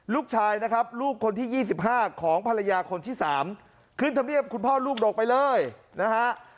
ลูกชายนะครับลูกคนที่๒๕ของภรรยาคนที่๓ขึ้นธรรมเนียบคุณพ่อลูกดกไปเลยนะฮะ